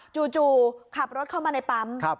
จู่ขับรถเข้ามาในปั๊ม